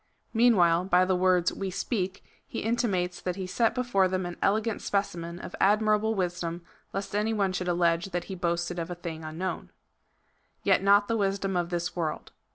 Meanwhile, by the words we speak, he intimates that he set before them an elegant specimen of admirable wisdom, lest any one should allege that he boasted of a thing unknown. Yet not the wisdom of this world.